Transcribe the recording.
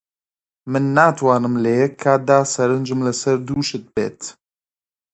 من ناتوانم لە یەک کاتدا سەرنجم لەسەر دوو شت بێت.